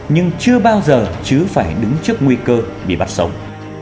nhưng chưa bao giờ chứ phải đứng trước nguy cơ bị bắt sống